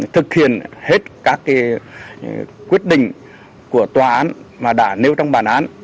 thực hiện hết các quyết định của tòa án mà đã nêu trong bản án